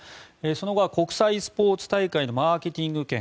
その後は国際スポーツ大会のマーケティング権